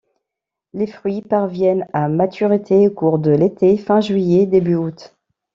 Les fruits parviennent à maturité au cours de l'été, fin juillet-début août.